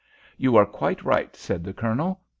"You are quite right," said the Colonel.